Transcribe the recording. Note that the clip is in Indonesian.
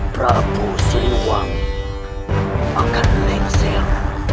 prabu siliwangi akan lengsel